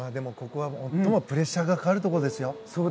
ここは最もプレッシャーがかかるところですよ。